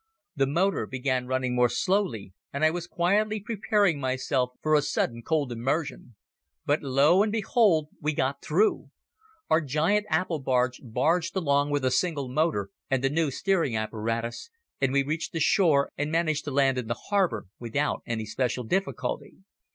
The motor began running more slowly and I was quietly preparing myself for a sudden cold immersion. But lo! and behold! we got through! Our giant apple barge barged along with a single motor and the new steering apparatus and we reached the shore and managed to land in the harbor without any special difficulty.